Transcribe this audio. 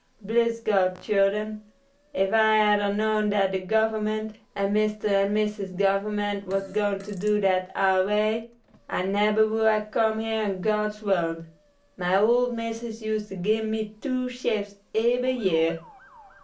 Bliss God, childen, if I had ar know dat de Government, and Mister and Missus Government, was going to do dat ar way, I neber would 'ave comed here in God's wurld. My old missus us't gib me two shifes eber year."